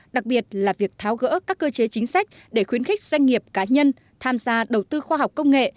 đặc biệt là việc tháo gỡ các cơ chế chính sách để khuyến khích doanh nghiệp cá nhân tham gia đầu tư khoa học công nghệ